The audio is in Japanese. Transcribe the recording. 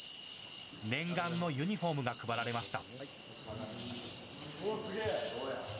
念願のユニフォームが配られました。